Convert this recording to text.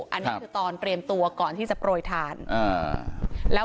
อันนี้คือการพยายามตัวก่อนปลายทาน